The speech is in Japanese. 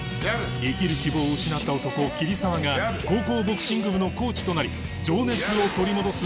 生きる希望を失った男桐沢が高校ボクシング部のコーチとなり